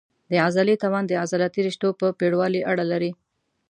د عضلې توان د عضلاتي رشتو په پېړوالي اړه لري.